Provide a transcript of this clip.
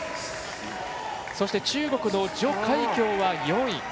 そして中国の徐海蛟は４位。